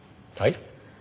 はい？